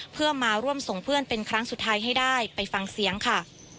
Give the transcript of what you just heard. เพื่อมาร่วมส่งเพื่อนเป็นครั้งสุดท้ายให้ได้ไปฟังเสียงค่ะ